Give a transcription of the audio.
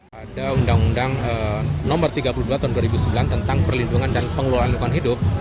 pada undang undang nomor tiga puluh dua tahun dua ribu sembilan tentang perlindungan dan pengelolaan lingkungan hidup